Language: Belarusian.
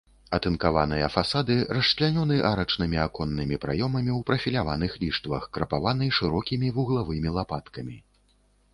Атынкаваныя фасады расчлянёны арачнымі аконнымі праёмамі ў прафіляваных ліштвах, крапаваны шырокімі вуглавымі лапаткамі.